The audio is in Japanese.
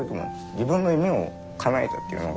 自分の夢をかなえたっていうのが。